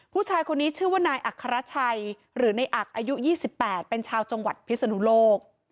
ผู้ชายคนนี้ชื่อว่านายอัครชัยหรือในอักอายุ๒๘เป็นชาวจังหวัดพิศนุโลก